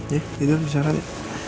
ya tidur besaran ya